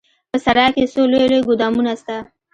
په سراى کښې څو لوى لوى ګودامونه سته.